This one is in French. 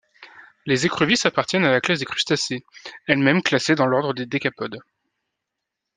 Les écrevisses appartiennent à la classe des crustacés, elle-même classée dans l'ordre des décapodes.